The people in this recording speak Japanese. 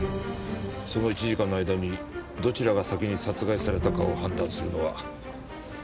その１時間の間にどちらが先に殺害されたかを判断するのはかなり難しいな。